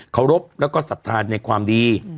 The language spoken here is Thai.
เคารพและก็สัทธาในความดี